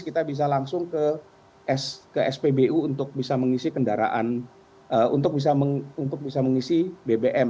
kita bisa langsung ke spbu untuk bisa mengisi kendaraan untuk bisa mengisi bbm